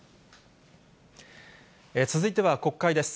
続いては国会です。